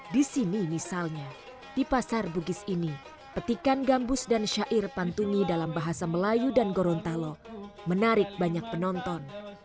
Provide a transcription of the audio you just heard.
di sini misalnya di pasar bugis ini petikan gambus dan syair pantuni dalam bahasa melayu dan gorontalo menarik banyak penonton